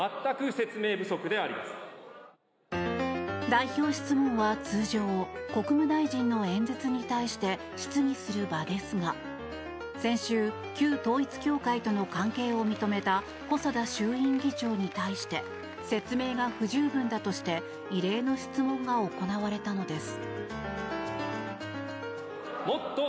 代表質問は通常国務大臣の演説に対して質疑する場ですが先週、旧統一教会との関係を認めた細田衆院議長に対して説明が不十分だとして異例の質問が行われたのです。